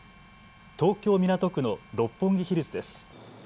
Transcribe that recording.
東京港区の六本木ヒルズです。